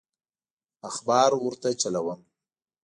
اخبار ورته وچلوم.